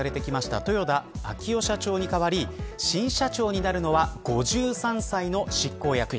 豊田章男社長に代わり新社長になるのは５３歳の執行役員。